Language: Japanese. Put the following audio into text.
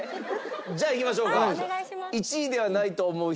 じゃあいきましょうか。